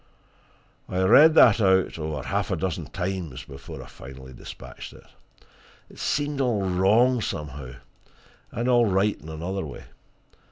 I read that over half a dozen times before I finally dispatched it. It seemed all wrong, somehow and all right in another way.